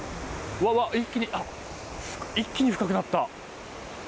一気に深くなった。